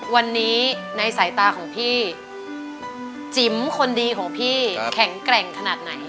วันนี้ในสายตาของพี่จิ๋มคนดีของพี่แข็งแกร่งขนาดไหน